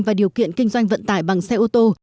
và điều kiện kinh doanh vận tải bằng xe ô tô